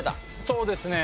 そうですね。